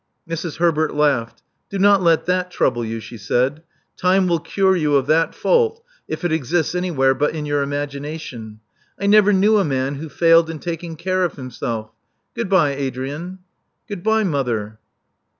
" Mrs. Herbert laughed. Do not let that trouble you," she said. Time will cure you of that fault, if it exists anywhere but in your imagination. I never knew a man who failed in taking care of himself. Goodbye, Adrian." Goodbye, mother."